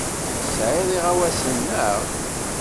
Tesɛiḍ iɣawasen, naɣ?